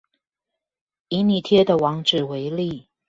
以你貼的網址為例